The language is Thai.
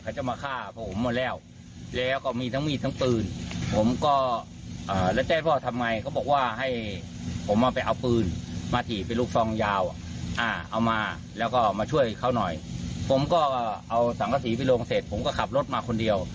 ผมก็เอาสารตัดสินไปลงเสร็จผมก็ขับรถมาคนเดียว